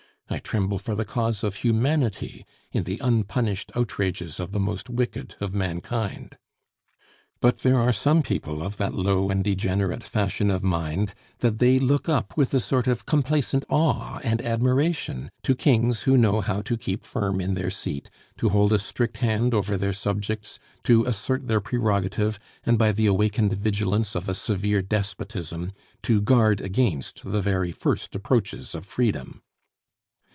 I tremble for the cause of humanity, in the unpunished outrages of the most wicked of mankind. But there are some people of that low and degenerate fashion of mind that they look up with a sort of complacent awe and admiration to kings who know how to keep firm in their seat, to hold a strict hand over their subjects, to assert their prerogative, and by the awakened vigilance of a severe despotism to guard against the very first approaches of freedom.